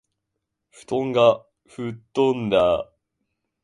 布団が吹っ飛んだ